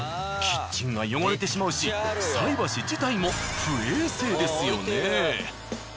キッチンが汚れてしまうし菜箸自体も不衛生ですよね。